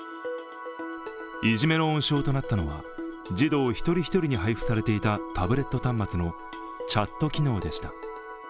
いじめの温床となったのは児童一人一人に配布されていたタブレット端末のチャット機能でした。